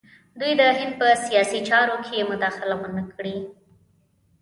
دوی د هند په سیاسي چارو کې مداخله ونه کړي.